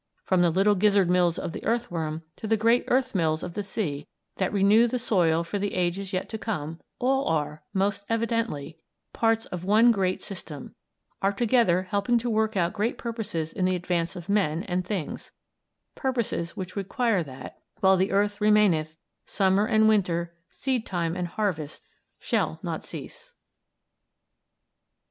From the little gizzard mills of the earthworm to the great earth mills of the sea, that renew the soil for the ages yet to come, all are most evidently parts of one great system; are together helping to work out great purposes in the advance of men and things; purposes which require that "While the earth remaineth, summer and winter, seed time and harvest, shall not cease."